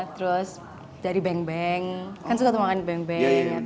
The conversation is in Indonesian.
terus dari beng beng kan suka tuh makan beng beng